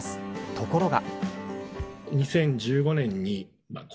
ところが。